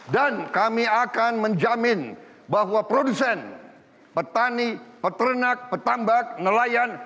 dan kami akan menjamin bahwa produsen petani peternak petambak nelayan